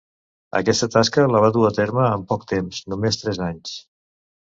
Aquesta tasca la va dur a terme en poc temps, només tres anys.